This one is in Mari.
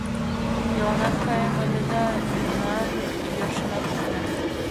Йолынат каем ыле да-а... ӱнар йӧршынак уке.